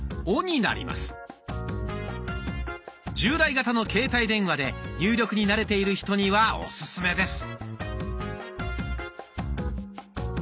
従来型の携帯電話で入力に慣れている人にはオススメです。